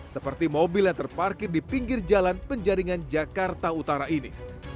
seperti mobil yang terparkir di pinggir jalan penjaringan jakarta utara ini